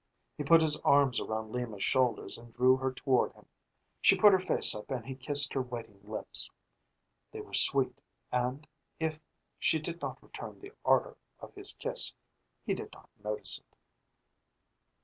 He put his arms around Lima's shoulders and drew her toward him. She put her face up and he kissed her waiting lips. They were sweet and, if she did not return the ardor of his kiss, he did not notice it.